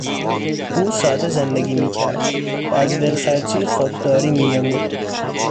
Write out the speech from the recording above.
او ساده زندگی میکرد و از ولخرجی خودداری مینمود.